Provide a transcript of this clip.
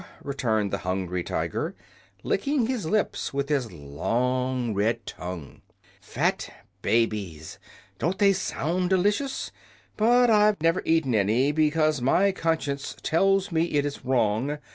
returned the Hungry Tiger, licking his lips with his long red tongue. "Fat babies! Don't they sound delicious? But I've never eaten any, because my conscience tells me it is wrong.